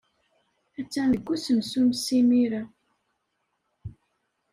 Attan deg usensu-nnes imir-a.